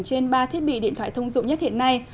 trên ba thiết bị điện thoại thông dụng nhất hiện nay